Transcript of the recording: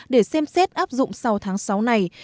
để xem xét áp dụng sau tháng sáu này